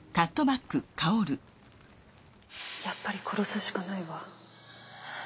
やっぱり殺すしかないわ。